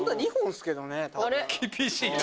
厳しいな！